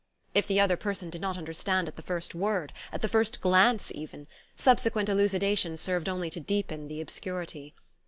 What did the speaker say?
If the other person did not understand at the first word, at the first glance even, subsequent elucidations served only to deepen the obscurity.